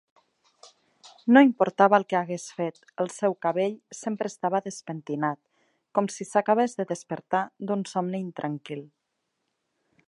No importava el que hagués fet, el seu cabell sempre estava despentinat, com si s'acabés de despertar d'un somni intranquil.